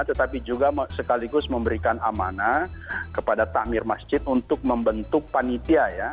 tetapi juga sekaligus memberikan amanah kepada takmir masjid untuk membentuk panitia ya